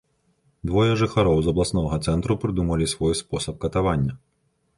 Двое жыхароў абласнога цэнтру прыдумалі свой спосаб катавання.